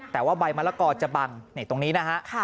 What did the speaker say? แต่ว่าใบมะละกอจะบังตรงนี้นะฮะ